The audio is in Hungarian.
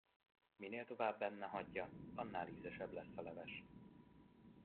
Minél tovább benne hagyja, annál ízesebb lesz a leves.